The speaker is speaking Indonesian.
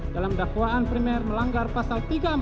dalam dakwaan primer melanggar pasal tiga ratus empat puluh